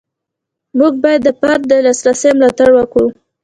موږ باید د فرد د لاسرسي ملاتړ وکړو.